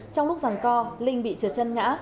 trong lúc giằng co linh bị trượt chân ngã